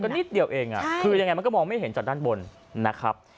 นิดเดียวเองคือยังไงมันก็มองไม่เห็นจากด้านบนนะครับ